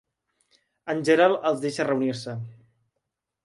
En Gerald els deixa reunir-se.